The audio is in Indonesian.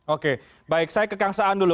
oke baik saya ke kang saan dulu